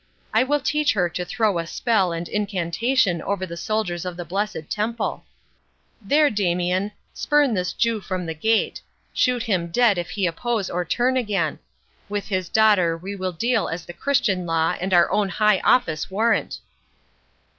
I will teach her to throw spell and incantation over the soldiers of the blessed Temple.—There, Damian, spurn this Jew from the gate—shoot him dead if he oppose or turn again. With his daughter we will deal as the Christian law and our own high office warrant."